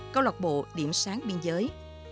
câu lọc bộ điểm sáng biên giới